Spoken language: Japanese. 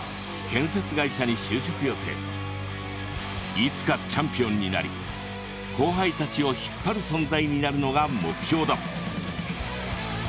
いつかチャンピオンになり後輩たちを引っ張る存在になるのが目標だ。